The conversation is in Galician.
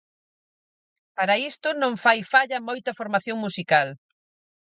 Para isto, non fai falla moita formación musical.